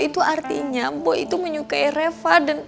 itu artinya boy itu menyukai reva